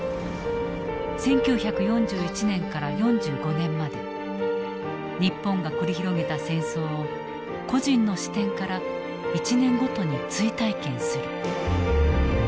１９４１年から４５年まで日本が繰り広げた戦争を個人の視点から１年ごとに追体験する。